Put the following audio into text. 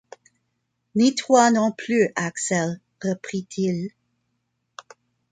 Ni toi, non plus, Axel, reprit-il.